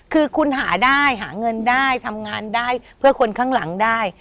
คือคุณหาได้หาเงินได้ทำงานได้เพื่อคนข้างหลังได้